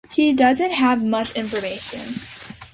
He doesn't have much information.